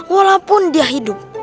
walaupun dia hidup